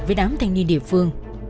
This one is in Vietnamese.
với đám thanh niên địa phương